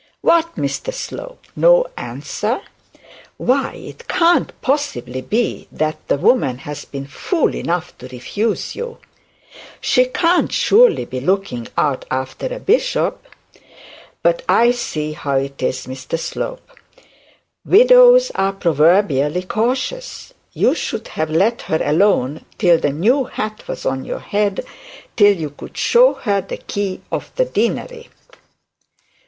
'What, Mr Slope, no answer? Why it can't possibly be that this woman has been fool enough to refuse you? She surely can't be looking out after a bishop. But I see how it is, Mr Slope. Widows are proverbially cautious. You should have let her alone till the new hat was on your head; till you could show her the key of the deanery.'